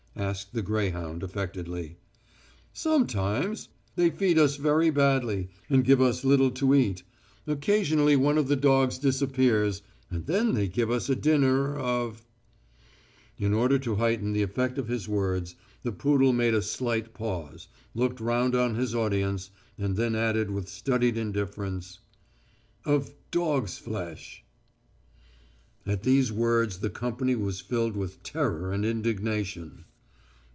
asked the greyhound affectedly. "Sometimes. They feed us very badly and give us little to eat. Occasionally one of the dogs disappears, and then they give us a dinner of ..." In order to heighten the effect of his words, the poodle made a slight pause, looked round on his audience, and then added with studied indifference: "Of dog's flesh." At these words the company was filled with terror and indignation.